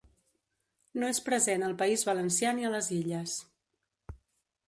No és present al País Valencià ni a les Illes.